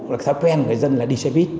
là thói quen người dân là đi xe buýt